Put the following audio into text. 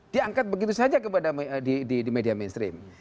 diangkat begitu saja di media mainstream